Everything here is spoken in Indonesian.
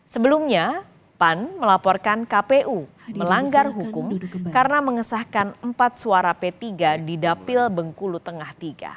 sebelumnya pan melaporkan kpu melanggar hukum karena mengesahkan empat suara p tiga di dapil bengkulu tengah iii